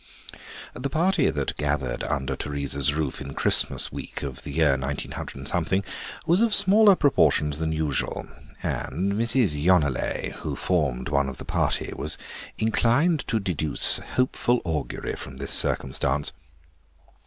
The party that gathered under Teresa's roof in Christmas week of the year nineteen hundred and something was of smaller proportions than usual, and Mrs. Yonelet, who formed one of the party, was inclined to deduce hopeful augury from this circumstance.